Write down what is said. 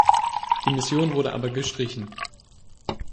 Diese Mission wurde aber gestrichen.